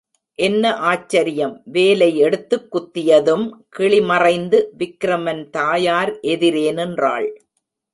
என்ன ஆச்சரியம் வேலை எடுத்துக் குத்தியதும் கிளி மறைந்து, விக்கிரமன் தாயார் எதிரே நின்றாள்.